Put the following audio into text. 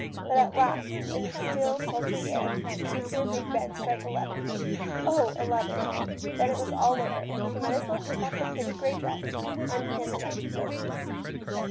But at last, in the still, sultry air, she could hear Big Ben strike eleven. Oh, eleven ! Then it was all over. She might as well take of the pretty grey dress, unpin the bunch of roses.